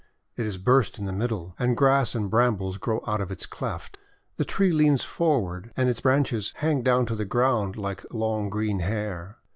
It is burst in the middle, and grass and brambles grow out of its cleft. The tree leans forward, and its branches hang down to the ground like long green hair.